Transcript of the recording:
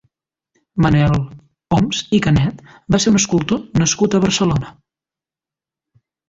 Manuel Oms i Canet va ser un escultor nascut a Barcelona.